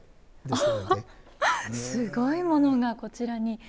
すごいものがこちらに。